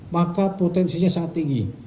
maka potensinya sangat tinggi